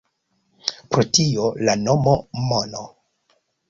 Pro tio la nomo “Mono”.